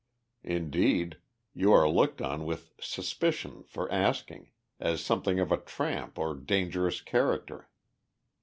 Indeed, you are looked on with suspicion for asking, as something of a tramp or dangerous character.